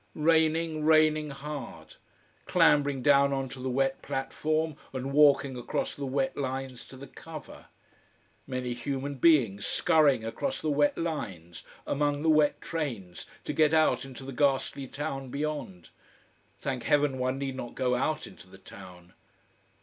Raining, raining hard. Clambering down on to the wet platform and walking across the wet lines to the cover. Many human beings scurrying across the wet lines, among the wet trains, to get out into the ghastly town beyond. Thank heaven one need not go out into the town.